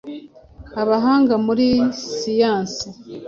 Abahanga muri siyansi